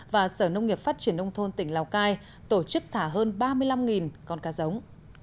và sở nông nghiệp phát triển nông thôn tỉnh lào cai tổ chức thả hơn ba mươi năm con cá giống